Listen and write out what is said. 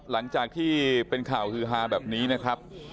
หลังจากที่เป็นข่าวฮือฮาแบบนี้นะครับ